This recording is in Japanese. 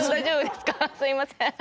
すいません。